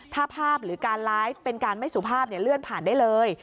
ถ้าภาพหรือการไลฟ์เป็นการไม่สุภาพเลื่อนผ่านได้เลย